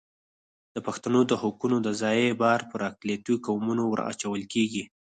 د پښتنو د حقونو د ضیاع بار پر اقلیتي قومونو ور اچول کېږي.